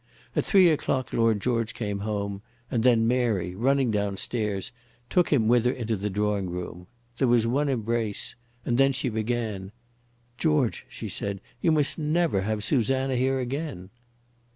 At three o'clock Lord George came home, and then Mary, running downstairs, took him with her into the drawing room. There was one embrace, and then she began. "George," she said, "you must never have Susanna here again."